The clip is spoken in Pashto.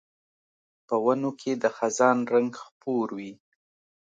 په ونو کې د خزان رنګ خپور وي